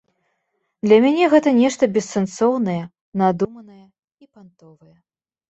Для мяне гэта нешта бессэнсоўнае, надуманае і пантовае.